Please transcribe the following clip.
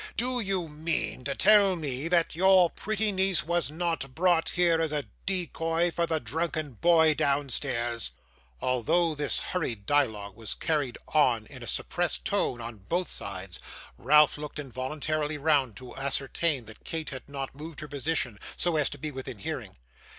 'Do you mean to tell me that your pretty niece was not brought here as a decoy for the drunken boy downstairs?' Although this hurried dialogue was carried on in a suppressed tone on both sides, Ralph looked involuntarily round to ascertain that Kate had not moved her position so as to be within hearing.